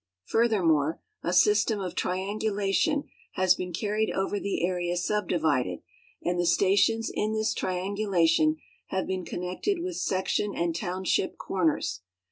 Furthermore, a system of triangulation has been carried over the area subdivided, and the stations in this triangulation have been connected with section and township corners.